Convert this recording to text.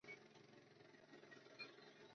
卡萨盖。